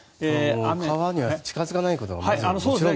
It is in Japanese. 川には近付かないことですよね。